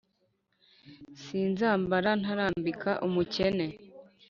sinzambara ntarambika umukene,